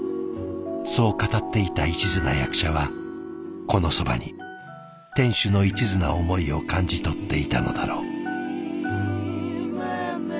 そう語っていたいちずな役者はこのそばに店主のいちずな思いを感じ取っていたのだろう。